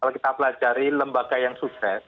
kalau kita pelajari lembaga yang sukses